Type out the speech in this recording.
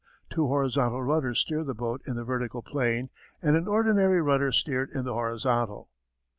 Two horizontal rudders steered the boat in the vertical plane and an ordinary rudder steered in the horizontal.